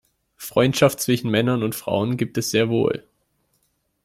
Freundschaft zwischen Männern und Frauen gibt es sehr wohl.